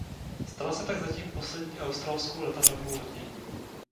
Stala se tak zatím poslední australskou letadlovou lodí.